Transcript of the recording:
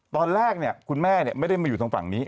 ตอนแรกคุณแม่ไม่ได้มาอยู่ทางฝั่งนี้